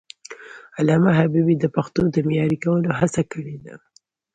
علامه حبيبي د پښتو د معیاري کولو هڅه کړې ده.